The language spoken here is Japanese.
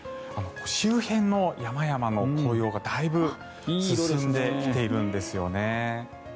周辺の山々の紅葉が、だいぶ進んできているんですよね。